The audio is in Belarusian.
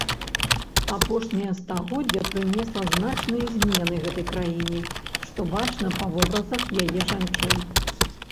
Апошняе стагоддзе прынесла значныя змены гэтай краіне, што бачна па вобразах яе жанчын.